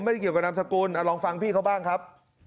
ไม่ได้เกี่ยวกับน้ำสกุลลองฟังพี่เขาบ้างครับ